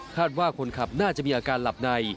ว่าคนขับน่าจะมีอาการหลับใน